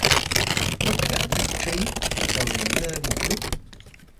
Tất cả nhất trí rồi nghỉ ngơi một lúc